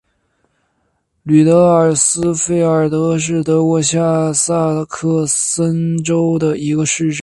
吕德尔斯费尔德是德国下萨克森州的一个市镇。